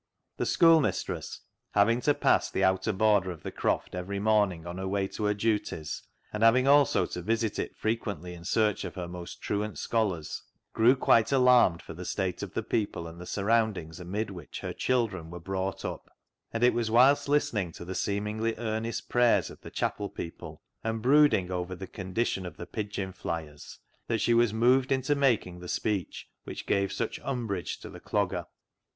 The schoolmistress having to pass the outer border of the Croft eveiy morning on her way to her duties, and having also to visit it frequently in search of her most truant scholars, grew quite alarmed for the state of the people and the surroundings amid which " her children " were brought up, and it was whilst listening to the seemingly earnest prayers of the chapel people, and brooding over the condition of the pigeon flyers, that she was moved into making the speech which gave such umbrage to the Clogger.